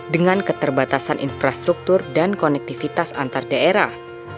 dengan keterbatasan infrastruktur dan konektivitas antar daerah